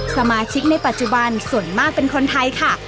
สมาชิกในปัจจุบันส่วนมากเป็นคนไทยค่ะ